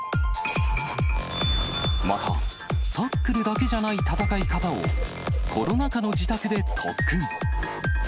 また、タックルだけじゃない戦い方を、コロナ禍の自宅で特訓。